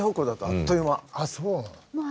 あっそう。